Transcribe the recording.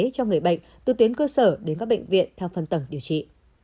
cho người bệnh từ tuyến cơ sở đến các bệnh viện theo phân tầng điều trị